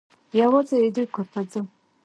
یوازي د دوی کور ته ځم .